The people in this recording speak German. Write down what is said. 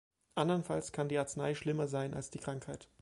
Andernfalls kann die Arznei schlimmer sein als die Krankheit.